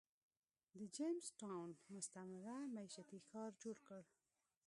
د جېمز ټاون مستعمره مېشتی ښار جوړ کړ.